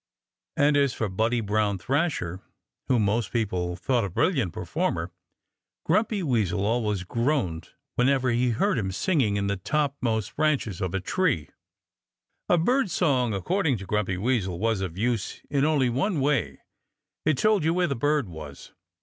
And as for Buddy Brown Thrasher, whom most people thought a brilliant performer, Grumpy Weasel always groaned whenever he heard him singing in the topmost branches of a tree. A bird song according to Grumpy Weasel was of use in only one way: it told you where the bird was.